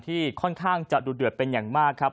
ที่ค่อนข้างจะดูเดือดเป็นอย่างมากครับ